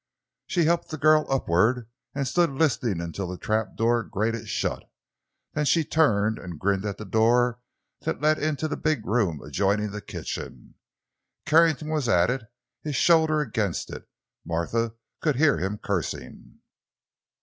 She helped the girl upward, and stood listening until the trap door grated shut. Then she turned and grinned at the door that led into the big room adjoining the kitchen. Carrington was at it, his shoulder against it; Martha could hear him cursing.